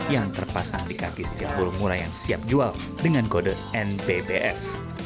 yang terpasang di kaki setiap burung mura yang siap jual dengan kode npbf